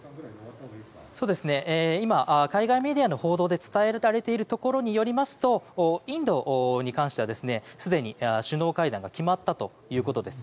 今、海外メディアの報道で伝えられているところによりますとインドに関してはすでに首脳会談決まったということです。